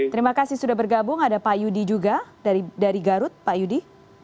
terima kasih sudah bergabung ada pak yudi juga dari garut pak yudi